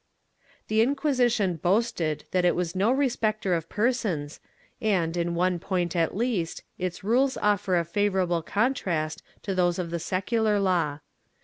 The Inquisition boasted that it was no respecter of persons and, in one point at least, its rules offer a favorable contrast to those of the secular law.